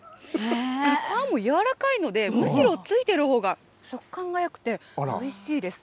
皮もやわらかいので、むしろついてるほうが、食感がよくておいしいです。